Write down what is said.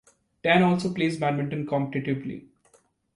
Tan also plays badminton competitively.